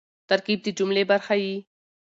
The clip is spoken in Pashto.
ترکیب د جملې برخه يي.